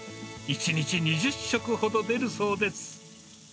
１日２０食ほど出るそうです。